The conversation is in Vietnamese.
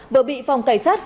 vừa bị phòng cảnh sát phá hủy